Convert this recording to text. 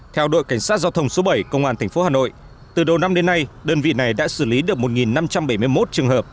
theo đội cảnh sát giao thông số bảy công an tp hà nội từ đầu năm đến nay đơn vị này đã xử lý được một năm trăm bảy mươi một trường hợp